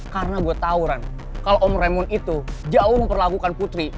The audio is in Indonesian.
karena gue tau ren kalau om remun itu jauh memperlakukan putri